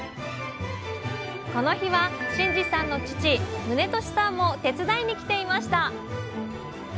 この日は新二さんの父宗利さんも手伝いに来ていました。